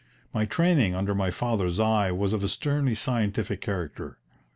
My training under my father's eye was of a sternly scientific character.